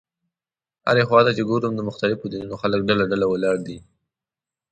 هرې خوا ته چې ګورم د مختلفو دینونو خلک ډله ډله ولاړ دي.